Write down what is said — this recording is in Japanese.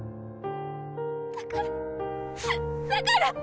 だからだから！